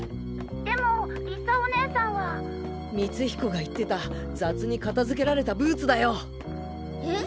でも理沙お姉さんは。光彦が言ってた雑に片付けられたブーツだよ。え？